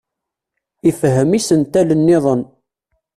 Ifehhem isental-nniḍen.